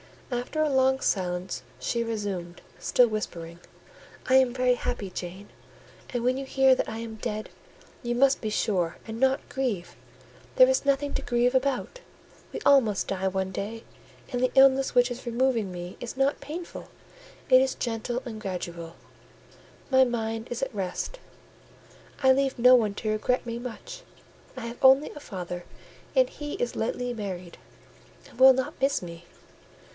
After a long silence, she resumed, still whispering— "I am very happy, Jane; and when you hear that I am dead, you must be sure and not grieve: there is nothing to grieve about. We all must die one day, and the illness which is removing me is not painful; it is gentle and gradual: my mind is at rest. I leave no one to regret me much: I have only a father; and he is lately married, and will not miss me.